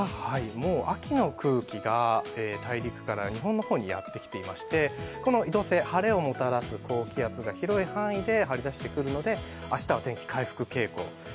もう秋の空気が大陸から日本の方にやってきまして、移動性の晴れをもたらす高気圧が広い範囲ではりだしてくるので明日は天気回復傾向。